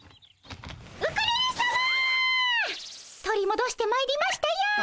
取りもどしてまいりましたよ。